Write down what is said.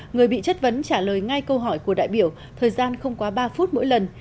người bị chất vấn trả lời ngay câu hỏi của đại biểu thời gian không quá ba phút mỗi lần